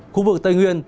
khu vực tây nguyên